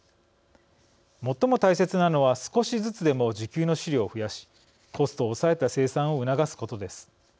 最も大切なのは少しずつでも自給の飼料を増やしコストを抑えた生産を促すことです。